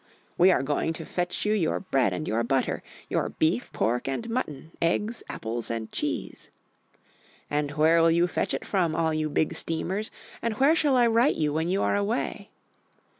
"We are going to fetch you your bread and your butter, Your beef, pork, and mutton, eggs, apples, and cheese." "And where will you fetch it from, all you Big Steamers, And where shall I write you when you are away?"